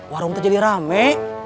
warung tuh jadi rame